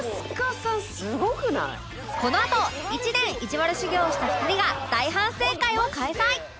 このあと１年いじわる修業をした２人が大反省会を開催